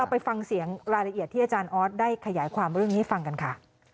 ไปฟังเสียงรายละเอียดที่อาจารย์ออสได้ขยายความเรื่องนี้ให้ฟังกันค่ะ